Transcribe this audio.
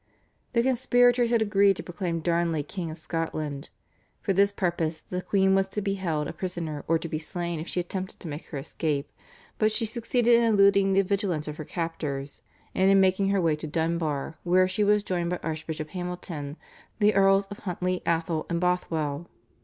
The conspirators had agreed to proclaim Darnley king of Scotland. For this purpose the queen was to be held a prisoner or to be slain if she attempted to make her escape, but she succeeded in eluding the vigilance of her captors and in making her way to Dunbar, where she was joined by Archbishop Hamilton, the Earls of Huntly, Atholl, and Bothwell.